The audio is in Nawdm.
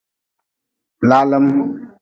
Lalm.